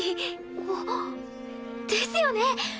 あっですよね。